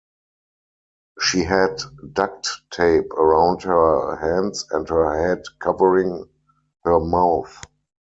She had duct tape around her hands and her head covering her mouth.